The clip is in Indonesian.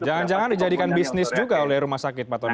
jangan jangan dijadikan bisnis juga oleh rumah sakit pak tony